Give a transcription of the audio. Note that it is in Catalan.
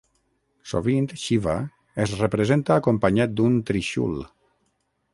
Sovint Shiva es representa acompanyat d'un Trishul.